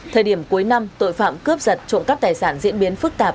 thời điểm cuối năm tội phạm cướp giật trộm cắp tài sản diễn biến phức tạp